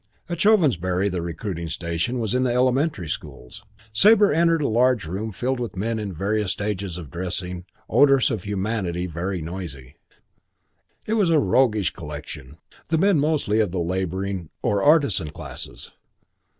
VII At Chovensbury the recruiting station was in the elementary schools. Sabre entered a large room filled with men in various stages of dressing, odorous of humanity, very noisy. It was a roughish collection: the men mostly of the labouring or artisan classes.